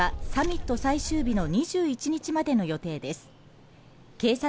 立ち入り制限は、サミット最終日の２１日までの予定です。